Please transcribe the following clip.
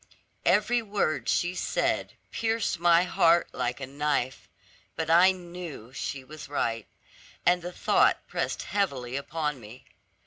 Every word she said pierced my heart like a knife; but I knew she was right, and the thought pressed heavily upon me.